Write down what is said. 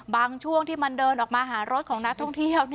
ช่วงที่มันเดินออกมาหารถของนักท่องเที่ยว